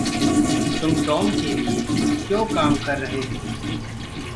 तुम टॉम के लिये क्यों काम कर रहे हो?